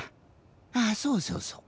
あそうそうそう。